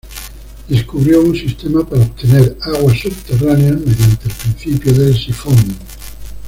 Descubrió un sistema para obtener aguas subterráneas mediante el principio del sifón.